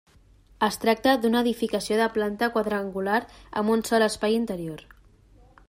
Es tracta d'una edificació de planta quadrangular amb un sol espai interior.